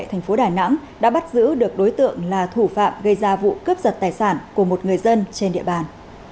thành phố đà nẵng đã bắt giữ được đối tượng là thủ phạm gây ra vụ cướp giật tài sản của một người dân trên địa bàn